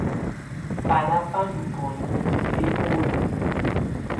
Banà bà ndù bǝnu biholiǝ.